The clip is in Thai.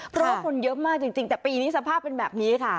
เพราะว่าคนเยอะมากจริงแต่ปีนี้สภาพเป็นแบบนี้ค่ะ